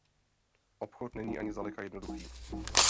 Obchod není ani zdaleka jednoduchý.